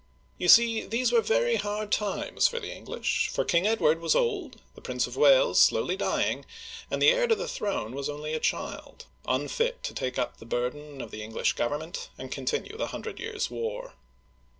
You see, these were very hard times for the English, for King Edward was old, the Prince of Wales uigitizea oy vjiOOQlC <i7o OLD FRANCE slowly dying, and the heir to the throne was only a child, unfit to take up the burden of the English government and continue the Hundred Years' War.